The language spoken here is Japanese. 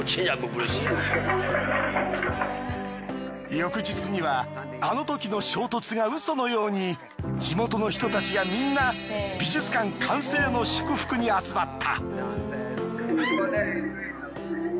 翌日にはあのときの衝突がうそのように地元の人たちがみんな美術館完成の祝福に集まった。